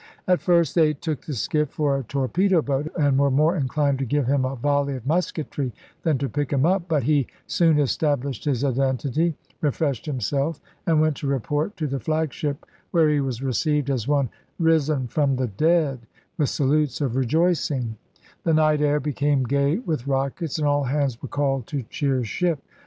At first they took the skiff for a ut sup. torpedo boat, and were more inclined to give him a volley of musketry than to pick him up ; but he soon established his identity, refreshed himself, and went to report to the flagship, where he was re ceived as one risen from the dead with salutes of rejoicing ; the night air became gay with rockets, and all hands were called to cheer ship.